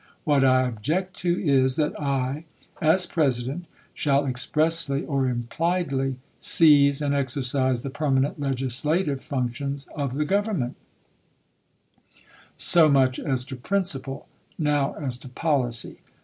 What I object to is, that I, as President, shall expressly or impliedly seize and exercise the permanent legislative functions of the Government, So much as to principle. Now as to policy.